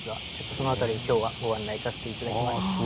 その辺りを今日はご案内させて頂きます。